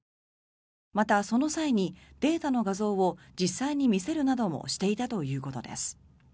また、その際にデータの画像を実際に見せるなどもしていたということです。